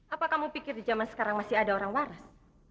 apa kamu pikir di zaman sekarang masih ada orang waras